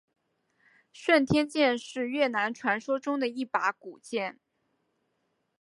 顺天剑是越南传说中的一把古剑。